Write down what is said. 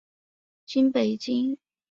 经北京市人民检察院交办